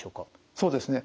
そうですね。